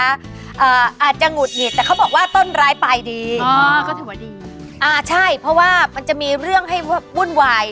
อาจจะหงุดหงิดแต่เขาบอกว่าต้นร้ายปลายดีอ๋อก็ถือว่าดีอ่าใช่เพราะว่ามันจะมีเรื่องให้วุ่นวาย